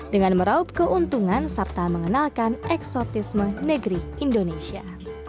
dengan meraup keuntungan serta mengenalkan eksotisme negeri indonesia